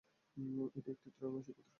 এটি একটি ত্রৈমাসিক পত্রিকা।